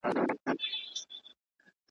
له مكتبه مي رهي كړله قمار ته `